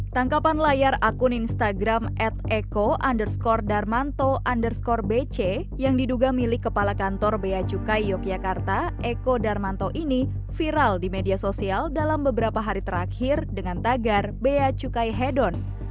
tangkapan layar akun instagram at eko underscore darmanto underscore bc yang diduga milik kepala kantor beacukai yogyakarta eko darmanto ini viral di media sosial dalam beberapa hari terakhir dengan tagar bea cukai hedon